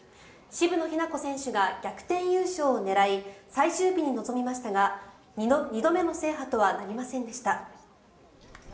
渋野日向子選手が逆転優勝を狙い最終日に臨みましたが２度目の制覇とはなりませんでした。